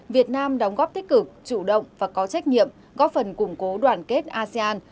việt nam đóng góp tích cực chủ động và có trách nhiệm góp phần củng cố đoàn kết asean